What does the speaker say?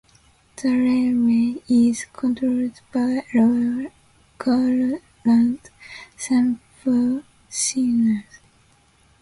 The railway is controlled by lower quadrant semaphore signals.